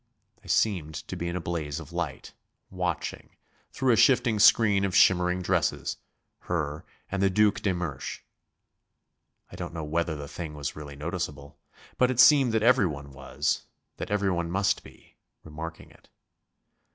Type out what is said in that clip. I seemed to be in a blaze of light, watching, through a shifting screen of shimmering dresses her and the Duc de Mersch. I don't know whether the thing was really noticeable, but it seemed that everyone was that everyone must be remarking it.